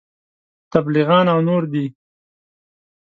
تبلیغیان او نور دي.